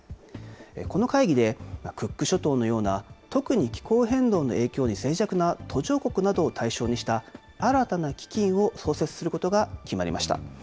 この会議で、クック諸島のような、特に気候変動の影響にぜい弱な途上国などを対象にした新たな基金を創設することが決まりました。